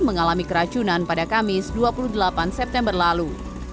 mengalami keracunan pada kamis dua puluh delapan september lalu